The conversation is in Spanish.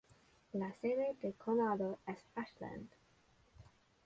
La sede del condado es Ashland.